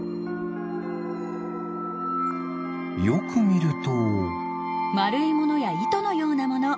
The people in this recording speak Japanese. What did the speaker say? よくみると。